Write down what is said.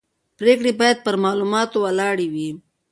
پرېکړې باید پر معلوماتو ولاړې وي